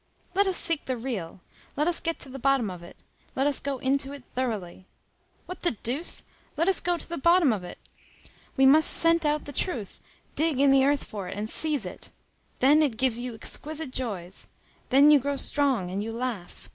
Let us seek the real. Let us get to the bottom of it. Let us go into it thoroughly. What the deuce! let us go to the bottom of it! We must scent out the truth; dig in the earth for it, and seize it. Then it gives you exquisite joys. Then you grow strong, and you laugh.